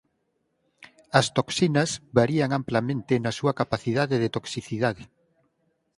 As toxinas varían amplamente na súa capacidade de toxicidade.